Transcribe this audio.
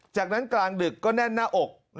จากนั้นกลางดึกก็แน่นหน้าอก